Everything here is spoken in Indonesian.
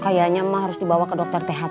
kayaknya emak harus dibawa ke dokter tht